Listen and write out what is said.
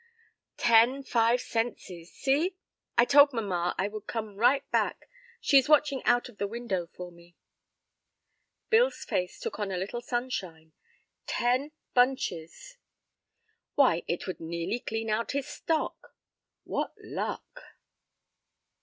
Ten five centses, see. I told mamma I would come right back. She is watching out of the window for me." Bill's face took on a little sunshine. Ten bunches! Why, it would nearly clean out his stock. What luck!